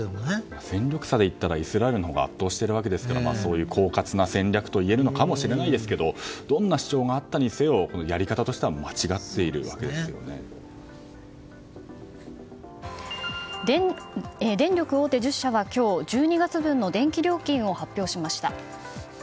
戦力差でいったらイスラエルのほうが圧倒しているわけですからそういう狡猾な戦略といえるのかもしれませんがどんな主張があったにせよ電力大手１０社は今日１２月分の電気料金を発表しました。